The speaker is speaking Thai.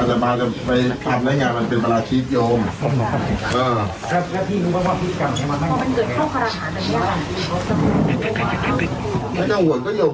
อาจารย์มาจะไปตามได้งานมันเป็นประหลาดชีพโยม